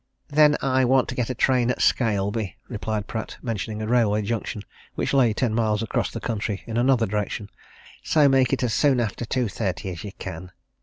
"Then I want to get a train at Scaleby," replied Pratt, mentioning a railway junction which lay ten miles across country in another direction. "So make it as soon after two thirty as you can."